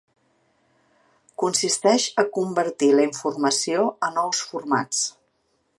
Consisteix a convertir la informació a nous formats.